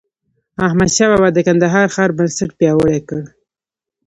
احمدشاه بابا د کندهار ښار بنسټ پیاوړی کړ.